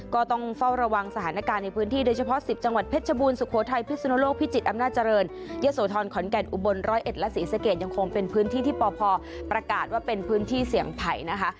ก็ต้องเฝ้าระวังสถานการณ์ในพื้นที่โดยเฉพาะ๑๐จังหวัดเพชรบูรณสุโขทัยพิสุนโลกพิจิตรอำนาจเจริญยะโสธรขอนแก่นอุบล๑๐๑และศรีสะเกดยังคงเป็นพื้นที่ที่ปพประกาศว่าเป็นพื้นที่เสี่ยงภัยนะคะ